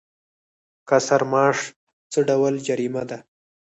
کسر معاش څه ډول جریمه ده؟